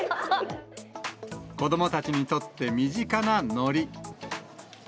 子どもたちにとって身近なのり。